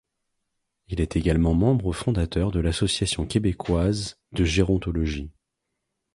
Il est également membre fondateur de l'Association québécoise de gérontologie.